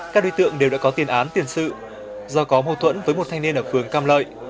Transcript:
các đối tượng đều đã có tiền án tiền sự do có mâu thuẫn với một thanh niên ở phường cam lợi